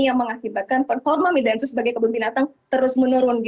yang mengakibatkan performa midansus sebagai kebun binatang terus menurun